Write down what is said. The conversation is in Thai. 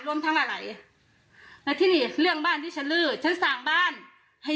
รวมทั้งอะไรแล้วที่นี่เรื่องบ้านที่ฉันลื้อฉันสั่งบ้านให้